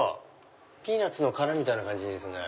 ピーナツの殻みたいな感じですね。